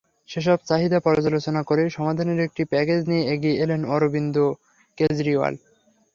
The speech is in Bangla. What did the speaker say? সেসব চাহিদা পর্যালোচনা করেই সমাধানের একটি প্যাকেজ নিয়ে এগিয়ে এলেন অরবিন্দ কেজরিওয়াল।